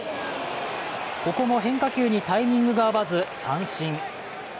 ここも変化球にタイミングが合わず三振。